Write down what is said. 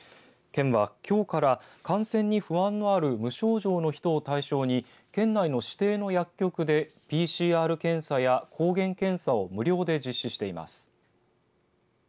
県は、きょうから感染に不安のある無症状の人を対象に県内の指定の薬局でＰＣＲ検査や抗原検査を無料で実施しています。